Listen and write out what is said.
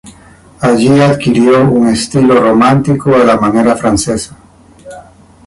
Allí adquirió un estilo romántico a la manera francesa.